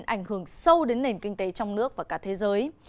ảnh hưởng sâu đến nền kinh tế trong nước và cả thế giới